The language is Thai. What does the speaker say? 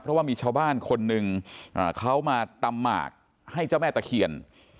เพราะว่ามีชาวบ้านคนหนึ่งเขามาตำหมากให้เจ้าแม่ตะเคียน